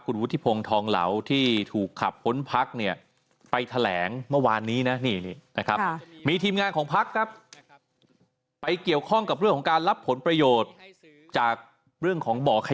คุณวุฒิพงธเหลาที่ถูกขับพ้นพรรค